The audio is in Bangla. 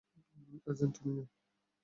এজেন্ট, তুমিও।